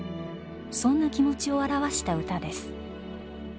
そんな気持ちを表した歌です。